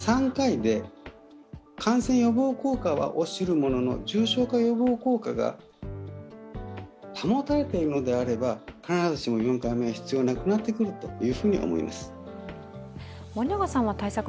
逆に、３回で感染予防効果は落ちるものの重症化予防効果が保たれているのであれば、必ずしも４回目は必要なくなってくると思います。